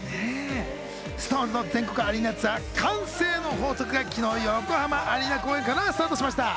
ＳｉｘＴＯＮＥＳの全国アリーナツアー「慣声の法則」が昨日、横浜アリーナ公演からスタートしました。